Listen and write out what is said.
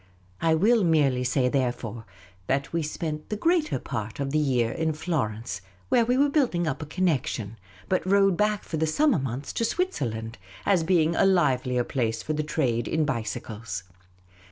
I will merely say, therefore, that we spent the greater part of the year in Florence, where we were building up a connection, but rode back for the summer months to Switzerland, as being a livelier place for the trade in bicycles.